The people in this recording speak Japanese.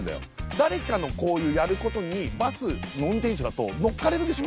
誰かのこういうやることにバスの運転手だと乗っかれるでしょ。